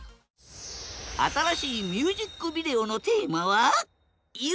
新しいミュージックビデオのテーマは夢